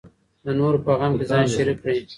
د نورو په غم کې ځان شریک کړئ.